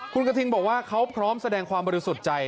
คุณกระทิงบอกว่าเขาพร้อมแสดงความบริสุทธิ์ใจ